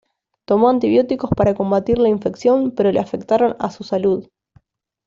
Tomó antibióticos para combatir la infección pero le afectaron a su salud.